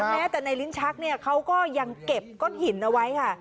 แม้แต่ในลิ้นชักเนี่ยเขาก็ยังเก็บก้อนหินเอาไว้ค่ะ